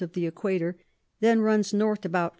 of the Equator, then runs N. about 420.